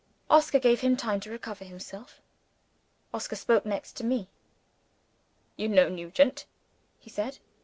Oscar gave him time to recover himself: Oscar spoke next to me. "You know Nugent," he said.